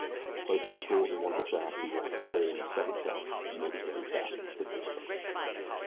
Placing the tools in one of the sacks he wrapped the whole in the second sack and made his way back to the bank building.